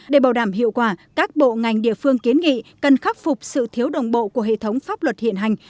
để bảo đảm hiệu quả các bộ ngành địa phương kiến nghị cần khắc phục sự thiếu đồng bộ của hệ thống pháp luật hiện hành